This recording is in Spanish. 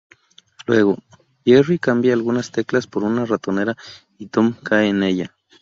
Luego, Jerry cambia algunas teclas por una ratonera y Tom cae en ella.